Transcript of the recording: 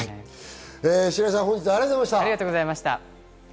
白井さん、本日はありがとうございました。